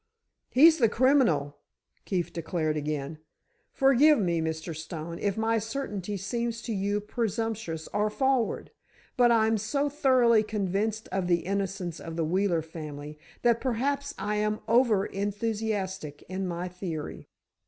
"He's the criminal," Keefe declared, again. "Forgive me, Mr. Stone, if my certainty seems to you presumptuous or forward, but I'm so thoroughly convinced of the innocence of the Wheeler family, that perhaps I am overenthusiastic in my theory."